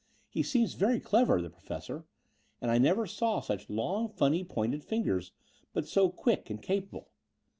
He seems very clever, the Professor; and I never saw such long, funny pointed fingers, but so quick and capable.